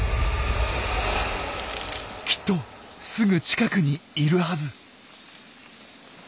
きっとすぐ近くにいるはず。